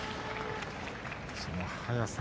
その速さ。